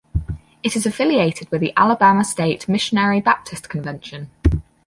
It is affiliated with the Alabama State Missionary Baptist Convention.